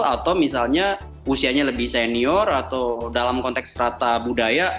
atau misalnya usianya lebih senior atau dalam konteks rata budaya